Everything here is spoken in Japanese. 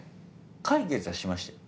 解決はしましたよ。